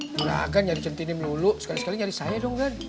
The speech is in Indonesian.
jangan nyari centini melulu sekali sekali nyari saya dong